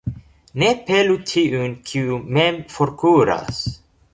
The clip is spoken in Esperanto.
Ne pelu tiun, kiu mem forkuras.